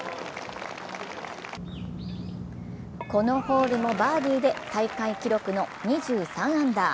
このホールもバーディーで大会記録の２３アンダー。